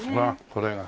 これが。